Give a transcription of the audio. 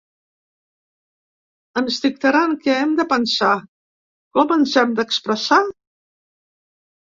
Ens dictaran què hem de pensar, com ens hem d’expressar?